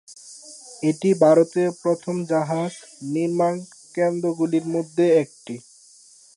এটি ভারতের প্রধান জাহাজ নির্মান কেন্দ্র গুলির মধ্যে একটি।